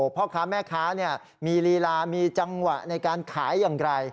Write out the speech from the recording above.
พ่อค้าแม่ค้ามีลีลามีจังหวะในการขายอย่างไร